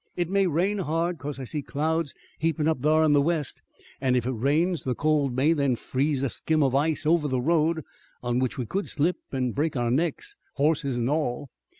It may rain hard, 'cause I see clouds heapin' up thar in the west. An' if it rains the cold may then freeze a skim of ice over the road, on which we could slip an' break our necks, hosses an' all.